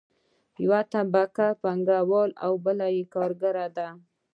یوه طبقه پانګوال او بله کارګره ده.